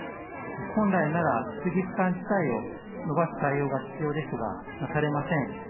本来なら、質疑時間自体を延ばす対応が必要ですが、なされません。